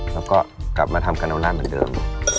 แล้วก็กลับมาทำกาโนล่าเหมือนเดิม